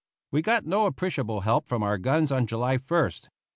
We got no appreciable help from our guns on July 1st.